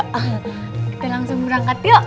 kita langsung berangkat yuk